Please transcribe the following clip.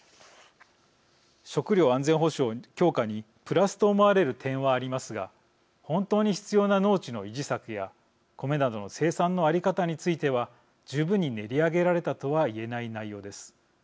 食料安全保障強化にプラスと思われる点はありますが本当に必要な農地の維持策やコメなどの生産の在り方については十分に練り上げられたとは言えない内容です。